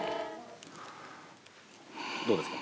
どうですか？